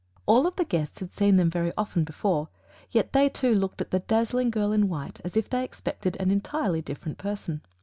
All of the guests had seen them very often before, yet they too looked at the dazzling girl in white as if they expected an entirely different person.